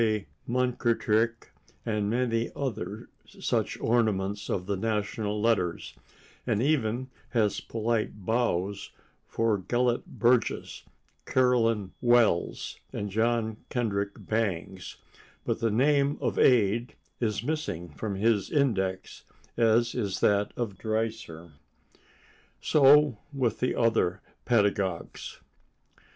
K. Munkittrick and many other such ornaments of the national letters, and even has polite bows for Gelett Burgess, Carolyn Wells and John Kendrick Bangs, but the name of Ade is missing from his index, as is that of Dreiser. So with the other pedagogues.